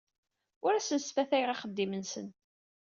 Ur asen-sfatayeɣ axeddim-nsen.